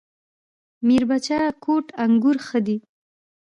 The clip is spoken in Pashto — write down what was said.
میربچه کوټ انګور ښه دي؟